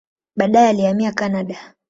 Baadaye alihamia Kanada.